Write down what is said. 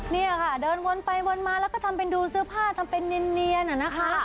เนี่ยค่ะเดินวนไปวนมาแล้วก็ทำเป็นดูเสื้อผ้าทำเป็นเนียนนะคะ